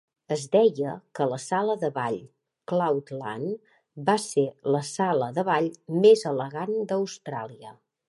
Es deia que la sala de ball Cloudland va ser la sala de ball més elegant d'Austràlia.